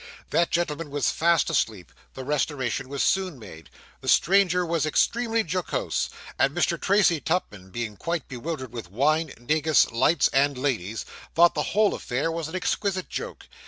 That gentleman was fast asleep; the restoration was soon made. The stranger was extremely jocose; and Mr. Tracy Tupman, being quite bewildered with wine, negus, lights, and ladies, thought the whole affair was an exquisite joke.